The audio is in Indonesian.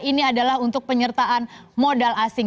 ini adalah untuk penyertaan modal asing